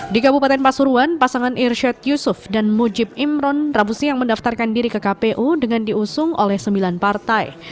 di kabupaten pasuruan pasangan irsyad yusuf dan mujib imron rabu siang mendaftarkan diri ke kpu dengan diusung oleh sembilan partai